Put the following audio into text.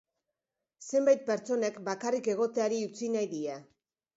Zenbait pertsonek bakarrik egoteari utzi nahi die.